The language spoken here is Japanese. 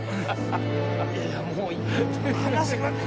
いやもう離してください！